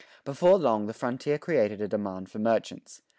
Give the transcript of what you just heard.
"[23:3] Before long the frontier created a demand for merchants.